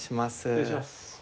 失礼します。